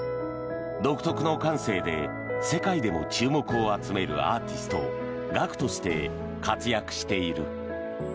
独特の感性で世界でも注目を集めるアーティストＧＡＫＵとして活躍している。